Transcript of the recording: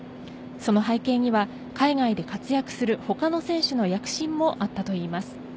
その背景には海外で活躍する他の選手の躍進もあったといいます。